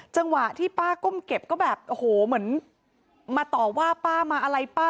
จังหวะที่ป้าก้มเก็บก็แบบโอ้โหเหมือนมาต่อว่าป้ามาอะไรป้า